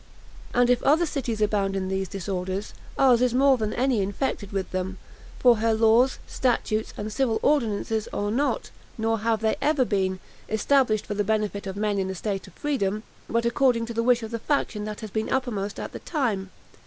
"And if other cities abound in these disorders, ours is more than any infected with them; for her laws, statutes, and civil ordinances are not, nor have they ever been, established for the benefit of men in a state of freedom, but according to the wish of the faction that has been uppermost at the time.